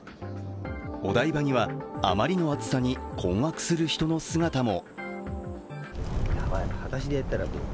お台場には、あまりの暑さに困惑する人の姿も。